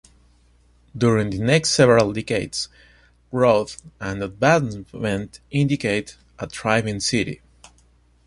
During the next several decades, growth and advancement indicated a thriving city.